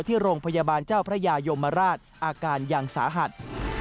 ที่โรงพยาบาลเจ้าพระยายมราชอาการยังสาหัส